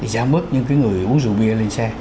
giảm mức những cái người uống rượu bia lên xe